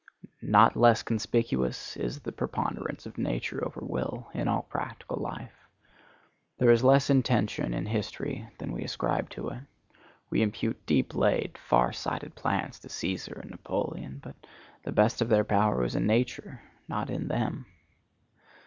Not less conspicuous is the preponderance of nature over will in all practical life. There is less intention in history than we ascribe to it. We impute deep laid far sighted plans to Cæsar and Napoleon; but the best of their power was in nature, not in them.